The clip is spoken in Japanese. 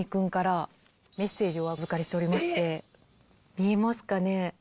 見えますかね？